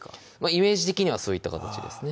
イメージ的にはそういった形ですね